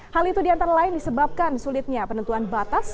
hal itu diantara lain disebabkan sulitnya penentuan batas